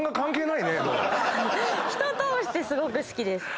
人としてすごく好きです。